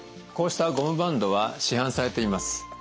こうしたゴムバンドは市販されています。